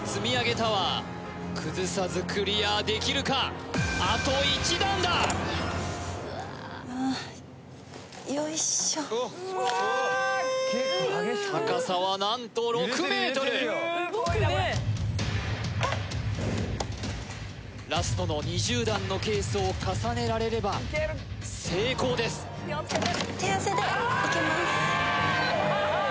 タワー崩さずクリアできるかよいしょ高さは何と６ｍラストの２０段のケースを重ねられれば成功です手汗でいけます